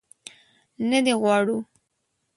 نه دې غواړو.